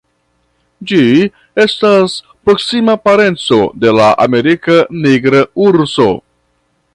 Ĝi estas proksima parenco de la Amerika nigra urso.